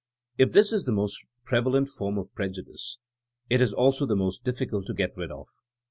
If this is the most prevalent form of preju dice it is also the most difficult to get rid of.